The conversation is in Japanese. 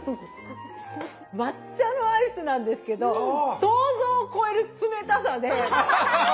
抹茶のアイスなんですけど想像を超える冷たさで。